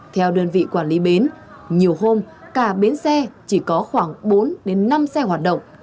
theo đơn vị quản lý biến nhiều hôm cả biến xe chỉ có khoảng bốn đến năm xe hoạt động